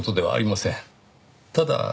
ただ。